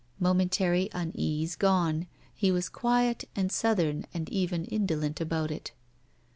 Momentary unease gone, he was quiet and Southern and even indolent about it.